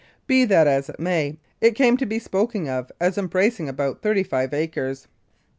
Be that as it may, it came to be spoken of as embracing about thirty five acres.